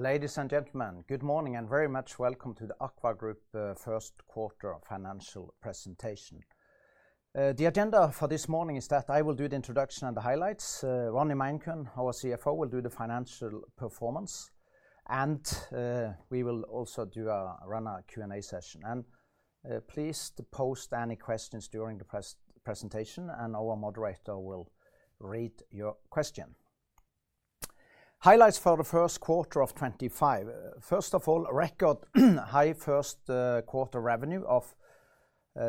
Ladies and gentlemen, good morning and very much welcome to the AKVA Group First Quarter Financial Presentation. The agenda for this morning is that I will do the introduction and the highlights. Ronny Meinkøhn, our CFO, will do the financial performance, and we will also run a Q&A session. Please post any questions during the presentation, and our moderator will read your question. Highlights for the first quarter of 2025. First of all, record high first quarter revenue of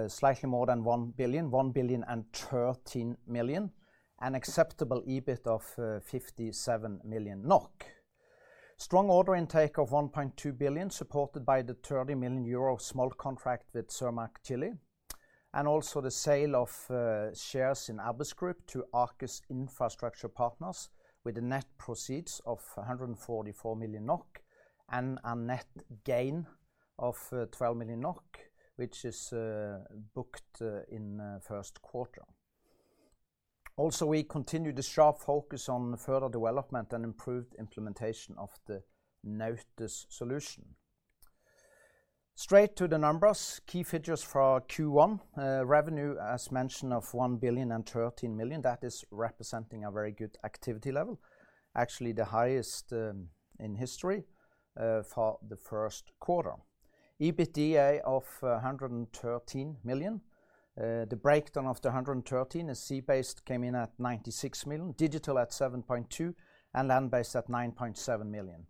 slightly more than 1,013 million, an acceptable EBIT of 57 million NOK. Strong order intake of 1.2 billion, supported by the 30 million euro smolt contract with Cermaq Chile, and also the sale of shares in Abyss Group to Arcus Infrastructure Partners with net proceeds of 144 million NOK and a net gain of 12 million NOK, which is booked in first quarter. Also, we continue the sharp focus on further development and improved implementation of the Nautilus solution. Straight to the numbers, key figures for Q1, revenue as mentioned of 1,013 million, that is representing a very good activity level, actually the highest in history for the first quarter. EBITDA of 113 million, the breakdown of the 113 is, Sea Based, came in at 96 million, Digital at 7.2 million, and Land Based at 9.7 million.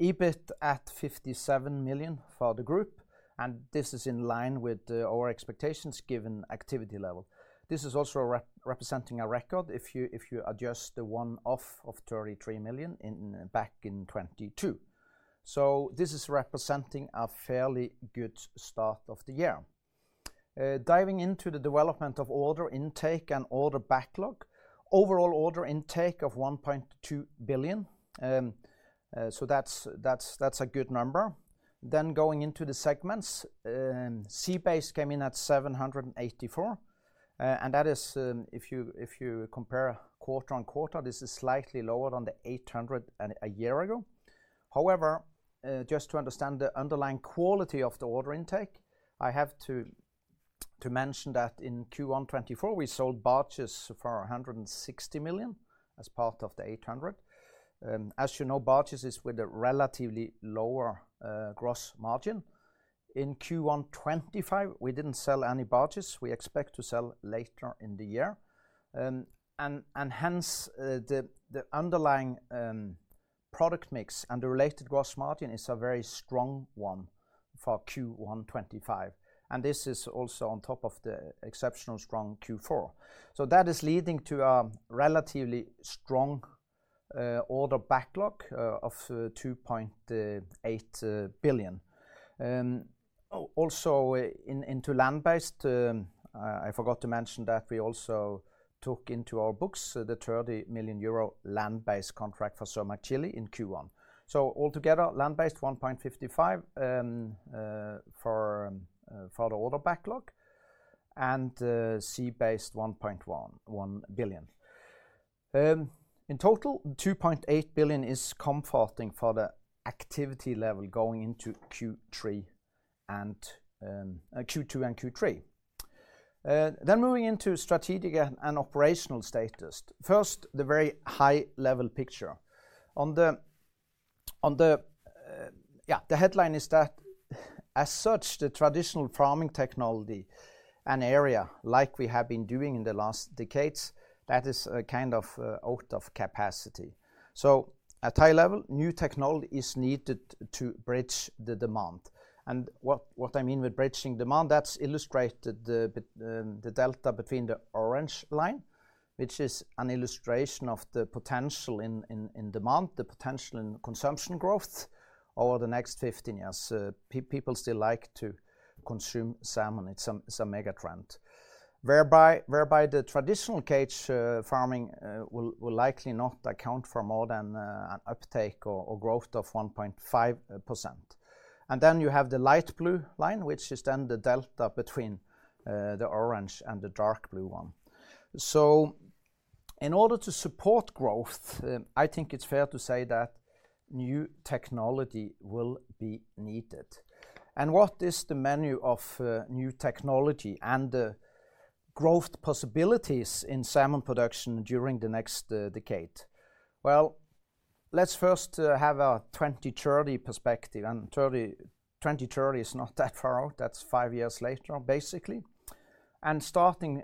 EBIT at 57 million for the group, and this is in line with our expectations given activity level. This is also representing a record if you adjust the one-off of 33 million back in 2022. This is representing a fairly good start of the year. Diving into the development of order intake and order backlog, overall order intake of 1.2 billion, so that's a good number. Going into the segments, Sea Based came in at 784 million, and that is, if you compare quarter-on-quarter, this is slightly lower than the 800 million a year ago. However, just to understand the underlying quality of the order intake, I have to mention that in Q1 2024, we sold batches for 160 million as part of the 800 million. As you know, batches is with a relatively lower gross margin. In Q1 2025, we did not sell any batches; we expect to sell later in the year. Hence, the underlying product mix and the related gross margin is a very strong one for Q1 2025, and this is also on top of the exceptionally strong Q4. That is leading to a relatively strong order backlog of 2.8 billion. Also, into Land Based, I forgot to mention that we also took into our books the 30 million euro Land Based contract for Cermaq Chile in Q1. Altogether, Land Based 1.55 billion for the order backlog and Sea Based 1.1 billion. In total, 2.8 billion is comforting for the activity level going into Q2 and Q3. Moving into strategic and operational status. First, the very high-level picture. The headline is that, as such, the traditional farming technology and area like we have been doing in the last decades, that is kind of out of capacity. At high level, new technology is needed to bridge the demand. What I mean with bridging demand, that is illustrated by the delta between the orange line, which is an illustration of the potential in demand, the potential in consumption growth over the next 15 years. People still like to consume salmon; it is a mega trend. Whereby the traditional cage farming will likely not account for more than an uptake or growth of 1.5%. Then you have the light blue line, which is the delta between the orange and the dark blue one. In order to support growth, I think it's fair to say that new technology will be needed. What is the menu of new technology and the growth possibilities in salmon production during the next decade? Let's first have a 2030 perspective, and 2030 is not that far out; that's five years later basically. Starting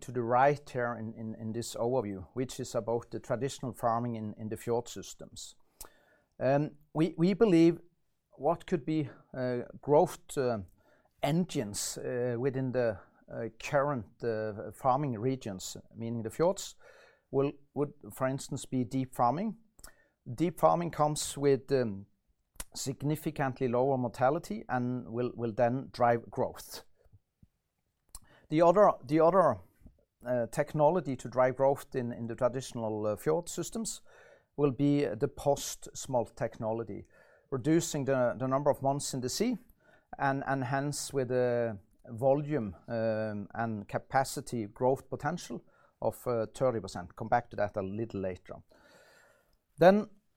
to the right here in this overview, which is about the traditional farming in the fjord systems. We believe what could be growth engines within the current farming regions, meaning the fjords, would, for instance, be deep farming. Deep farming comes with significantly lower mortality and will then drive growth. The other technology to drive growth in the traditional fjord systems will be the post-smolt technology, reducing the number of months in the sea and hence with the volume and capacity growth potential of 30%. I will come back to that a little later.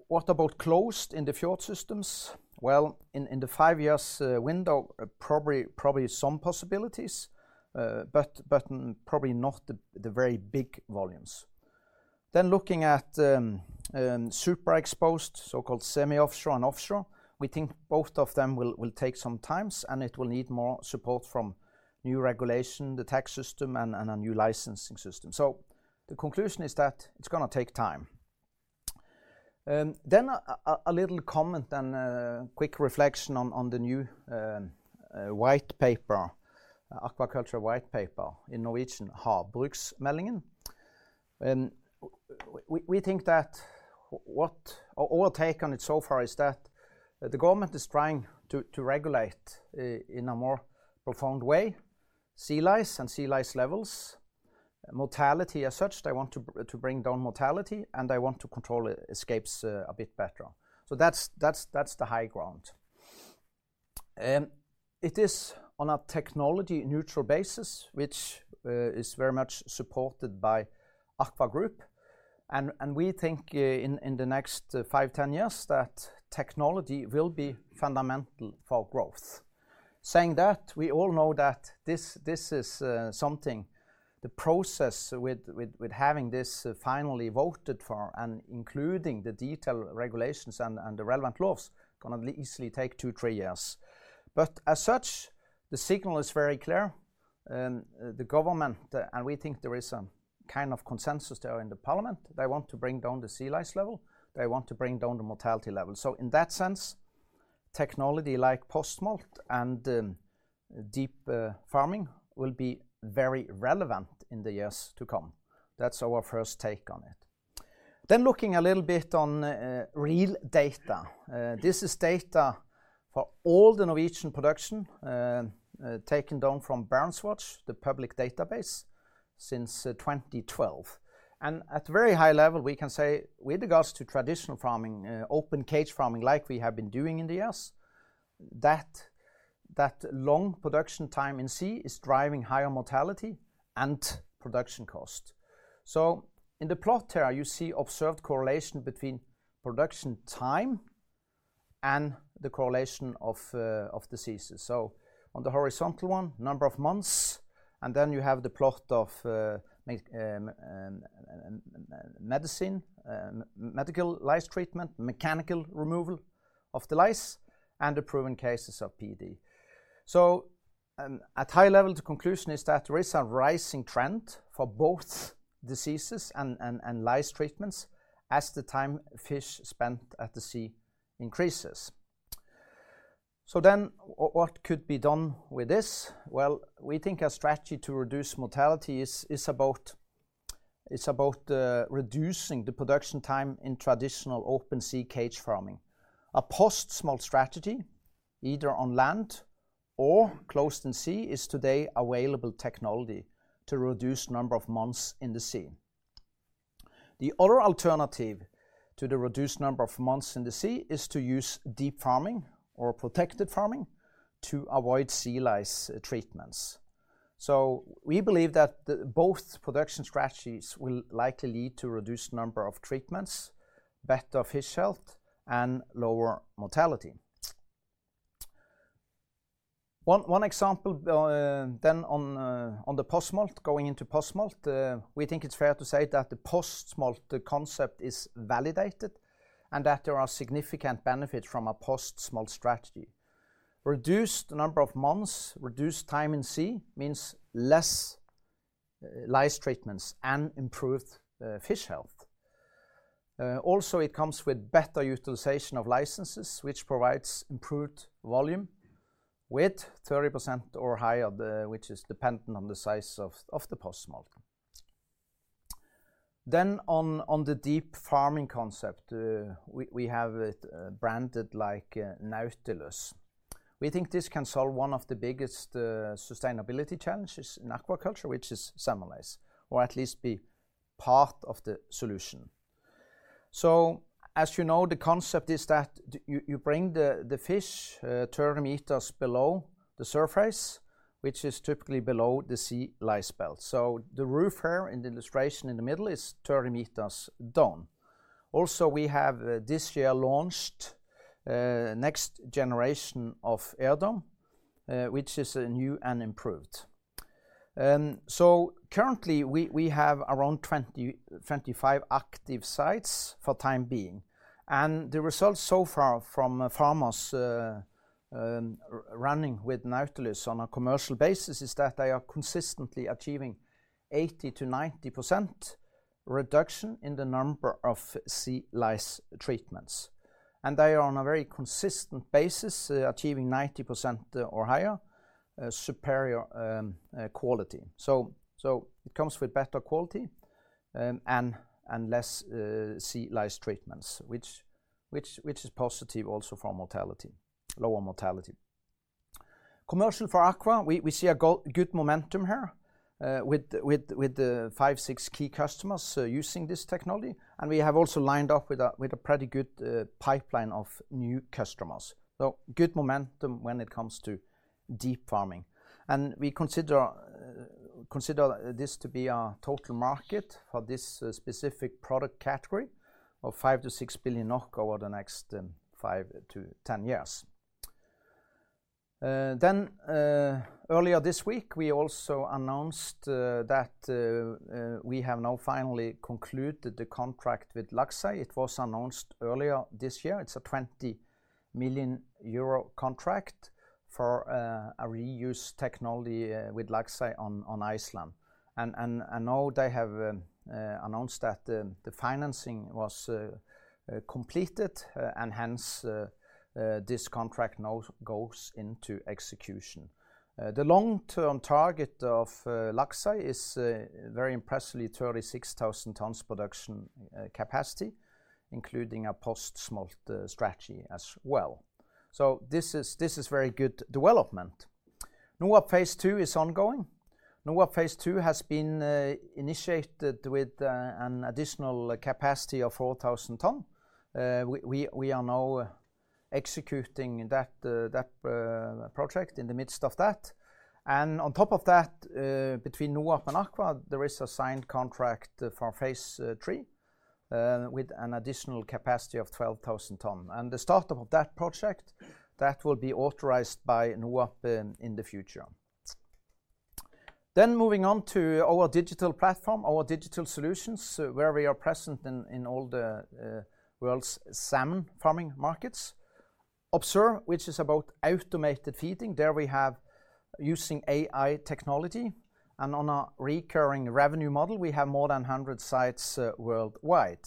What about closed in the fjord systems? In the five years window, probably some possibilities, but probably not the very big volumes. Looking at superexposed, so-called semi-offshore and offshore, we think both of them will take some time and it will need more support from new regulation, the tax system, and a new licensing system. The conclusion is that it is going to take time. A little comment and quick reflection on the new white paper, aquaculture white paper in Norwegian Havbruksmeldingen. We think that what our take on it so far is that the government is trying to regulate in a more profound way sea lice and sea lice levels, mortality as such. They want to bring down mortality and they want to control escapes a bit better. That is the high ground. It is on a technology-neutral basis, which is very much supported by AKVA Group. We think in the next 5-10 years that technology will be fundamental for growth. Saying that, we all know that this is something, the process with having this finally voted for and including the detailed regulations and the relevant laws is going to easily take two, three years. As such, the signal is very clear. The government, and we think there is a kind of consensus there in the parliament, they want to bring down the sea lice level, they want to bring down the mortality level. In that sense, technology like post-smolt and deep farming will be very relevant in the years to come. That is our first take on it. Looking a little bit on real data, this is data for all the Norwegian production taken down from BarentsWatch, the public database since 2012. At a very high level, we can say with regards to traditional farming, open cage farming like we have been doing in the years, that long production time in sea is driving higher mortality and production cost. In the plot here, you see observed correlation between production time and the correlation of diseases. On the horizontal one, number of months, and then you have the plot of medicine, medical lice treatment, mechanical removal of the lice, and the proven cases of PD. At high level, the conclusion is that there is a rising trend for both diseases and lice treatments as the time fish spent at the sea increases. What could be done with this? We think a strategy to reduce mortality is about reducing the production time in traditional open sea cage farming. A post-smolt strategy, either on land or closed in sea, is today available technology to reduce the number of months in the sea. The other alternative to the reduced number of months in the sea is to use deep farming or protected farming to avoid sea lice treatments. We believe that both production strategies will likely lead to a reduced number of treatments, better fish health, and lower mortality. One example then on the post-smolt, going into post-smolt, we think it's fair to say that the post-smolt concept is validated and that there are significant benefits from a post-smolt strategy. Reduced number of months, reduced time in sea means less lice treatments and improved fish health. Also, it comes with better utilization of licenses, which provides improved volume with 30% or higher, which is dependent on the size of the post-smolt. On the deep farming concept, we have it branded like Nautilus. We think this can solve one of the biggest sustainability challenges in aquaculture, which is salmon lice, or at least be part of the solution. As you know, the concept is that you bring the fish 30 meters below the surface, which is typically below the sea lice belt. The roof here in the illustration in the middle is 30 meters down. Also, we have this year launched next generation of air dome, which is new and improved. Currently, we have around 25 active sites for the time being. The results so far from farmers running with Nautilus on a commercial basis is that they are consistently achieving 80%-90% reduction in the number of sea lice treatments. They are on a very consistent basis achieving 90% or higher, superior quality. It comes with better quality and less sea lice treatments, which is positive also for mortality, lower mortality. Commercial for AKVA, we see a good momentum here with five, six key customers using this technology. We have also lined up with a pretty good pipeline of new customers. Good momentum when it comes to deep farming. We consider this to be our total market for this specific product category of 5 billion-6 billion NOK over the next 5-10 years. Earlier this week, we also announced that we have now finally concluded the contract with Laxey. It was announced earlier this year. It is a 20 million euro contract for a reuse technology with Laxey on Iceland. Now they have announced that the financing was completed and hence this contract now goes into execution. The long-term target of Laxey is very impressively 36,000 tons production capacity, including a post-smolt strategy as well. This is very good development. NOAP phase II is ongoing. NOAP phase II has been initiated with an additional capacity of 4,000 ton. We are now executing that project in the midst of that. On top of that, between NOAP and AKVA, there is a signed contract for phase 3 with an additional capacity of 12,000 ton. The startup of that project will be authorized by NOAP in the future. Moving on to our Digital platform, our Digital solutions, we are present in all the world's salmon farming markets. Observe, which is about automated feeding, there we have, using AI technology and on a recurring revenue model, more than 100 sites worldwide.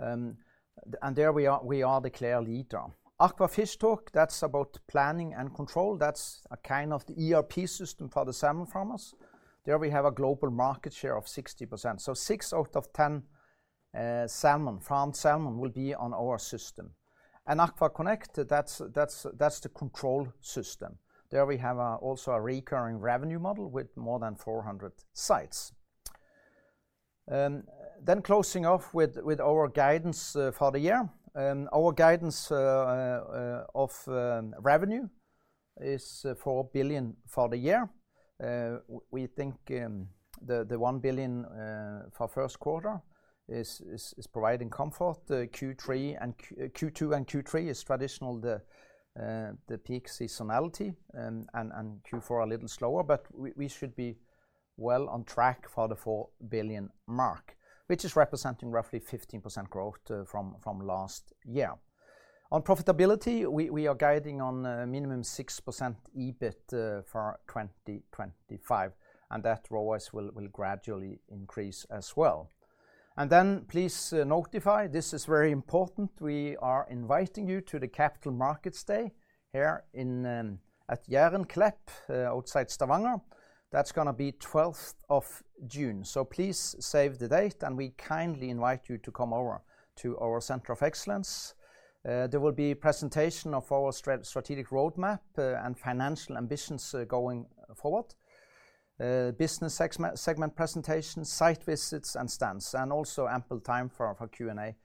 We are the clear leader there. AKVA fishtalk, that's about planning and control. That's a kind of ERP system for the salmon farmers. There we have a global market share of 60%. Six out of 10 farmed salmon will be on our system. AKVA connect, that's the control system. There we have also a recurring revenue model with more than 400 sites. Closing off with our guidance for the year. Our guidance of revenue is 4 billion for the year. We think the 1 billion for first quarter is providing comfort. Q2 and Q3 is traditional peak seasonality and Q4 a little slower, but we should be well on track for the 4 billion mark, which is representing roughly 15% growth from last year. On profitability, we are guiding on minimum 6% EBIT for 2025. That will gradually increase as well. Please notify, this is very important. We are inviting you to the Capital Markets Day here at [Jernklepp] outside Stavanger. That is going to be 12th of June. Please save the date and we kindly invite you to come over to our Center of Excellence. There will be a presentation of our strategic roadmap and financial ambitions going forward. Business segment presentations, site visits and stands, and also ample time for Q&A,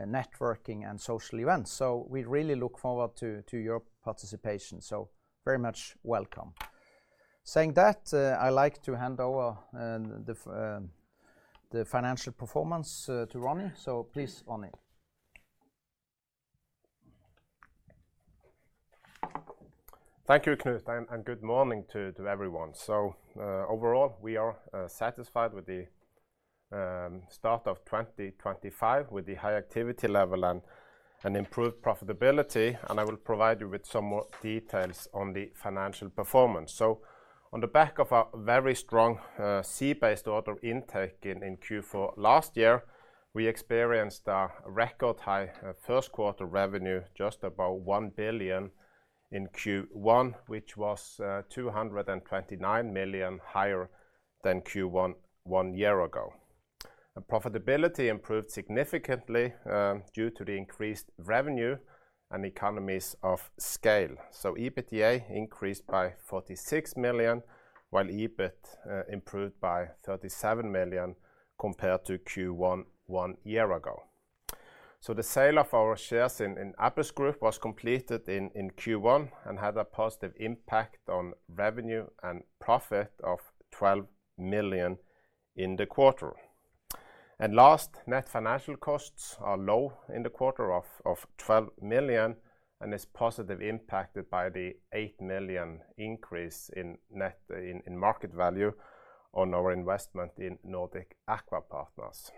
networking and social events. We really look forward to your participation. Very much welcome. Saying that, I like to hand over the financial performance to Ronny. Please, Ronny. Thank you, Knut, and good morning to everyone. Overall, we are satisfied with the start of 2025 with the high activity level and improved profitability. I will provide you with some more details on the financial performance. On the back of our very strong Sea Based order intake in Q4 last year, we experienced a record high first quarter revenue, just about 1 billion in Q1, which was 229 million higher than Q1 one year ago. Profitability improved significantly due to the increased revenue and economies of scale. EBITDA increased by 46 million, while EBIT improved by 37 million compared to Q1 one year ago. The sale of our shares in Abyss Group was completed in Q1 and had a positive impact on revenue and profit of 12 million in the quarter. Net financial costs are low in the quarter of 12 million and is positively impacted by the 8 million increase in market value on our investment in Nordic Aqua Partners.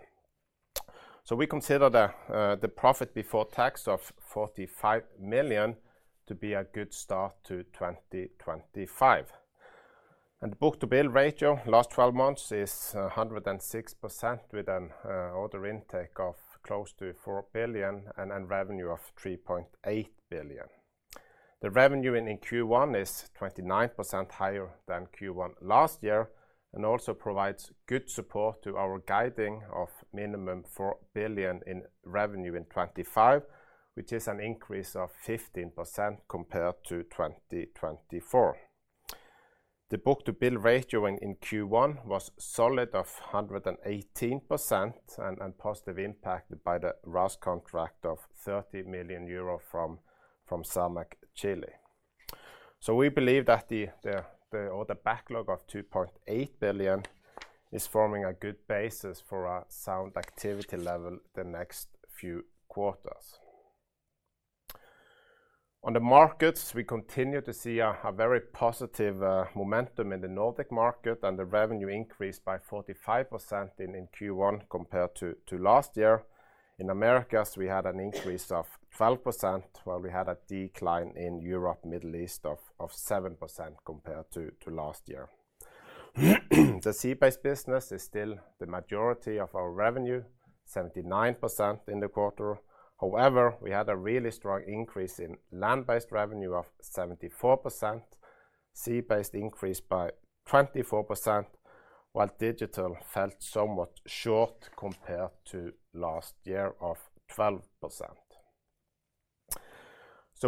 We consider the profit before tax of 45 million to be a good start to 2025. The book-to-bill ratio last 12 months is 106% with an order intake of close to 4 billion and revenue of 3.8 billion. The revenue in Q1 is 29% higher than Q1 last year and also provides good support to our guiding of minimum 4 billion in revenue in 2025, which is an increase of 15% compared to 2024. The book-to-bill ratio in Q1 was solid at 118% and positively impacted by the RAS contract of 30 million euro from Cermaq Chile. We believe that the order backlog of 2.8 billion is forming a good basis for a sound activity level the next few quarters. On the markets, we continue to see a very positive momentum in the Nordic market and the revenue increased by 45% in Q1 compared to last year. In Americas, we had an increase of 12% while we had a decline in Europe and the Middle East of 7% compared to last year. The Sea Based business is still the majority of our revenue, 79% in the quarter. However, we had a really strong increase in Land Based revenue of 74%, Sea Based increased by 24%, while Digital fell somewhat short compared to last year at 12%.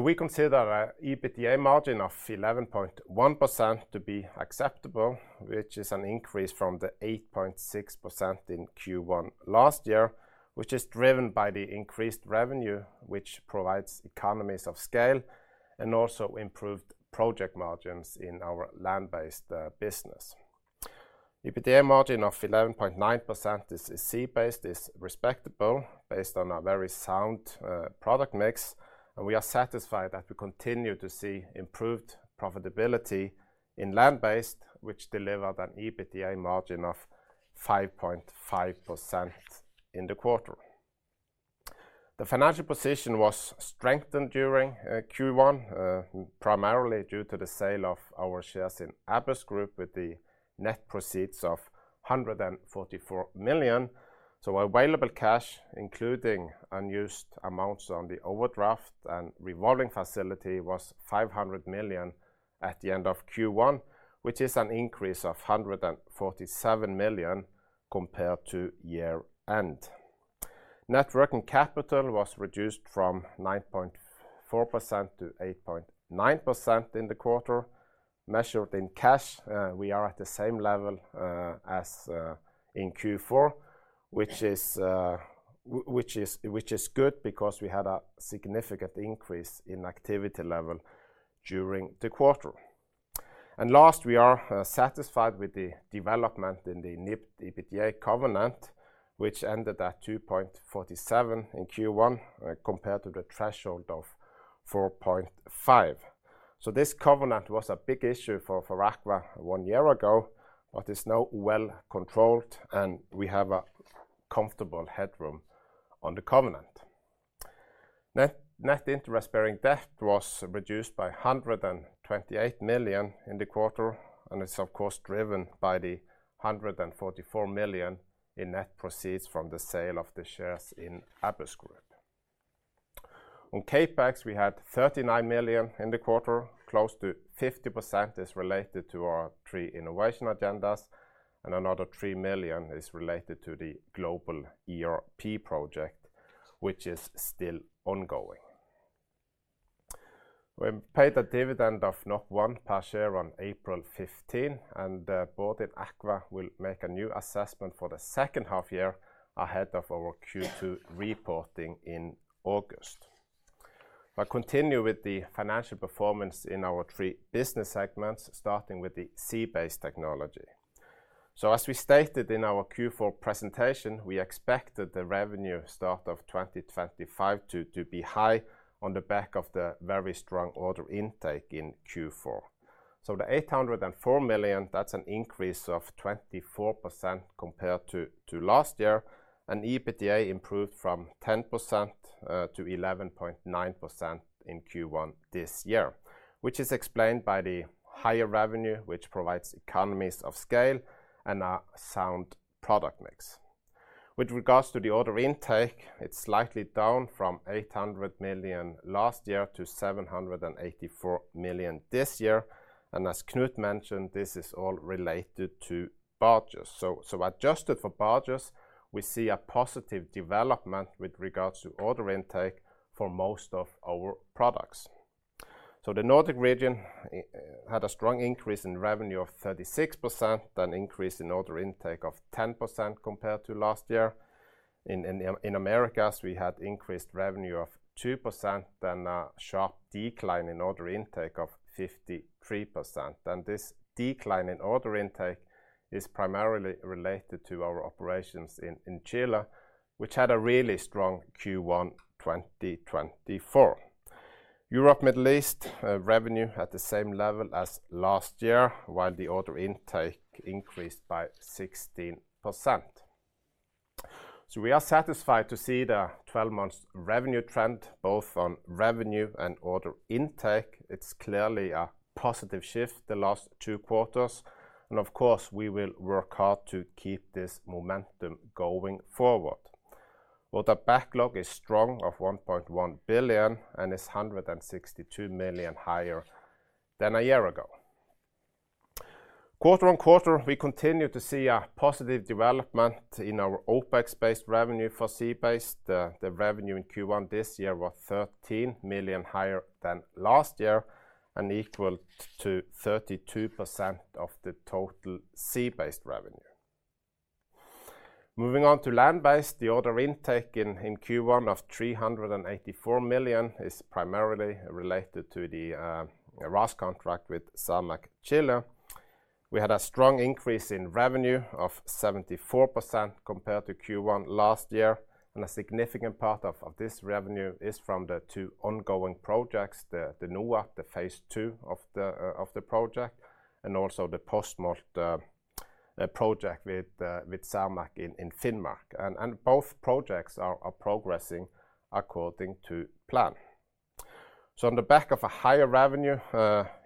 We consider an EBITDA margin of 11.1% to be acceptable, which is an increase from the 8.6% in Q1 last year, which is driven by the increased revenue, which provides economies of scale and also improved project margins in our Land Based business. EBITDA margin of 11.9% in Sea Based is respectable based on a very sound product mix. We are satisfied that we continue to see improved profitability in Land Based, which delivered an EBITDA margin of 5.5% in the quarter. The financial position was strengthened during Q1, primarily due to the sale of our shares in Abyss Group with the net proceeds of 144 million. Available cash, including unused amounts on the overdraft and revolving facility, was 500 million at the end of Q1, which is an increase of 147 million compared to year-end. Net working capital was reduced from 9.4%-8.9% in the quarter. Measured in cash, we are at the same level as in Q4, which is good because we had a significant increase in activity level during the quarter. Last, we are satisfied with the development in the NIBD EBITDA covenant, which ended at 2.47 in Q1 compared to the threshold of 4.5. This covenant was a big issue for AKVA one year ago, but it is now well controlled and we have a comfortable headroom on the covenant. Net interest-bearing debt was reduced by 128 million in the quarter and it is of course driven by the 144 million in net proceeds from the sale of the shares in Abyss Group. On CapEx, we had 39 million in the quarter, close to 50% is related to our three innovation agendas and another 3 million is related to the global ERP project, which is still ongoing. We paid a dividend of 1 per share on April 15 and [both] AKVA will make a new assessment for the second half year ahead of our Q2 reporting in August. I continue with the financial performance in our three business segments, starting with the Sea Based technology. As we stated in our Q4 presentation, we expected the revenue start of 2025 to be high on the back of the very strong order intake in Q4. The 804 million, that's an increase of 24% compared to last year. EBITDA improved from 10%-11.9% in Q1 this year, which is explained by the higher revenue, which provides economies of scale and a sound product mix. With regards to the order intake, it's slightly down from 800 million last year to 784 million this year. As Knut mentioned, this is all related to barges. Adjusted for barges, we see a positive development with regards to order intake for most of our products. The Nordic region had a strong increase in revenue of 36%, an increase in order intake of 10% compared to last year. In Americas, we had increased revenue of 2% and a sharp decline in order intake of 53%. This decline in order intake is primarily related to our operations in Chile, which had a really strong Q1 2024. Europe and the Middle East revenue at the same level as last year, while the order intake increased by 16%. We are satisfied to see the 12-month revenue trend both on revenue and order intake. It is clearly a positive shift the last two quarters. Of course, we will work hard to keep this momentum going forward. The backlog is strong at 1.1 billion and is 162 million higher than a year ago. quarter-on-quarter, we continue to see a positive development in our OpEx-based revenue for Sea Based. The revenue in Q1 this year was 13 million higher than last year and equaled 32% of the total Sea Based revenue. Moving on to Land Based, the order intake in Q1 of 384 million is primarily related to the RAS contract with Cermaq Chile. We had a strong increase in revenue of 74% compared to Q1 last year. A significant part of this revenue is from the two ongoing projects, the NOAP phase II of the project, and also the post-smolt project with SalMar in Finnmark. Both projects are progressing according to plan. On the back of a higher revenue,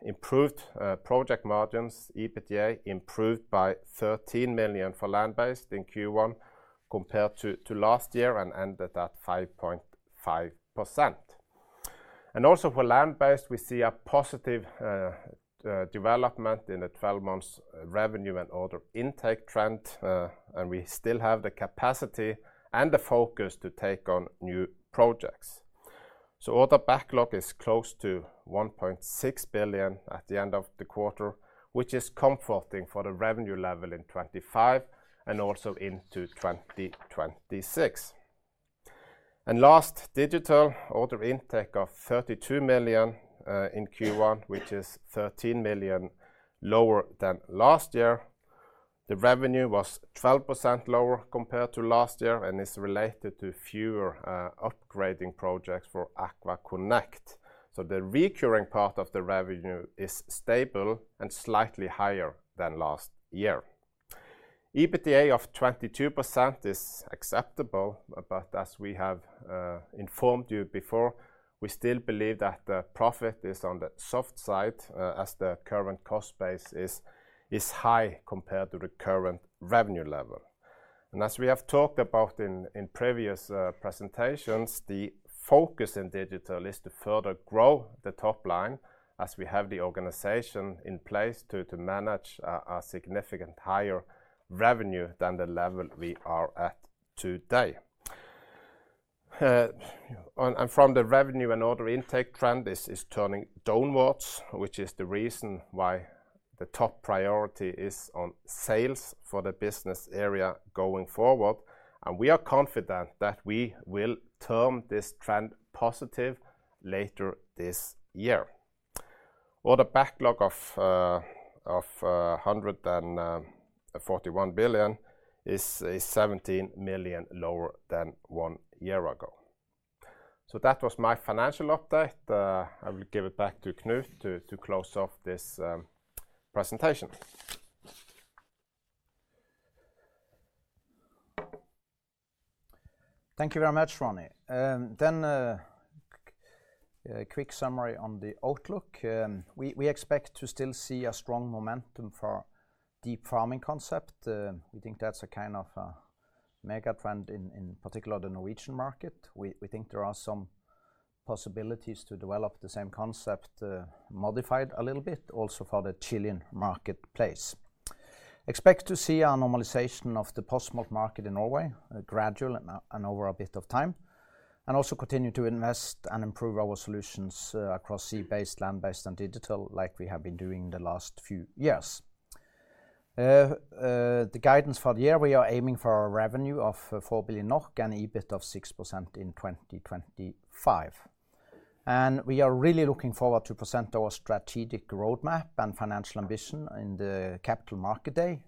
improved project margins, EBITDA improved by 13 million for Land Based in Q1 compared to last year and ended at 5.5%. Also for Land Based, we see a positive development in the 12-month revenue and order intake trend. We still have the capacity and the focus to take on new projects. Order backlog is close to 1.6 billion at the end of the quarter, which is comforting for the revenue level in 2025 and also into 2026. Last, Digital order intake of 32 million in Q1, which is 13 million lower than last year. The revenue was 12% lower compared to last year and is related to fewer upgrading projects for AKVA connect. The recurring part of the revenue is stable and slightly higher than last year. EBITDA of 22% is acceptable, but as we have informed you before, we still believe that the profit is on the soft side as the current cost base is high compared to the current revenue level. As we have talked about in previous presentations, the focus in Digital is to further grow the top line as we have the organization in place to manage a significantly higher revenue than the level we are at today. From the revenue and order intake trend, this is turning downwards, which is the reason why the top priority is on sales for the business area going forward. We are confident that we will turn this trend positive later this year. Our backlog of 1.41 billion is 17 million lower than one year ago. That was my financial update. I will give it back to Knut to close off this presentation. Thank you very much, Ronny. A quick summary on the outlook. We expect to still see a strong momentum for deep farming concept. We think that's a kind of a mega trend in particular the Norwegian market. We think there are some possibilities to develop the same concept modified a little bit also for the Chilean marketplace. Expect to see a normalization of the post-smolt market in Norway, gradual and over a bit of time. Also continue to invest and improve our solutions across Sea Based, Land Based, and Digital like we have been doing the last few years. The guidance for the year, we are aiming for a revenue of 4 billion NOK and EBIT of 6% in 2025. We are really looking forward to present our strategic roadmap and financial ambition in the Capital Market Day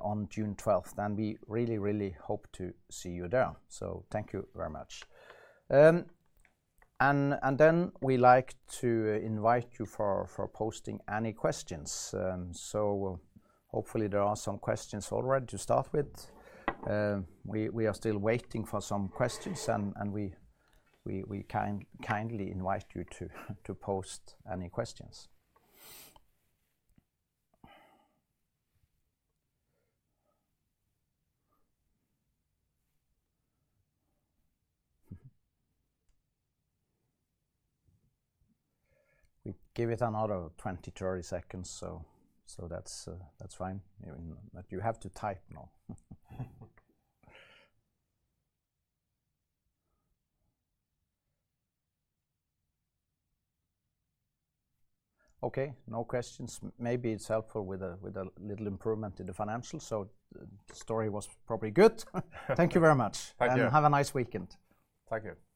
on June 12th. We really, really hope to see you there. Thank you very much. We like to invite you for posting any questions. Hopefully there are some questions already to start with. We are still waiting for some questions and we kindly invite you to post any questions. We give it another 20-30 seconds, so that's fine. You have to type now. Okay, no questions. Maybe it's helpful with a little improvement in the financial, so the story was probably good. Thank you very much. Thank you. Have a nice weekend. Thank you.